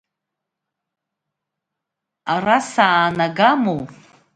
Ара саанага моу…